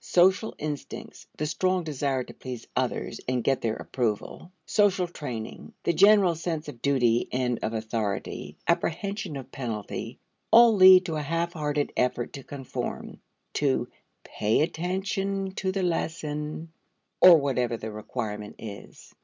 Social instincts, the strong desire to please others and get their approval, social training, the general sense of duty and of authority, apprehension of penalty, all lead to a half hearted effort to conform, to "pay attention to the lesson," or whatever the requirement is.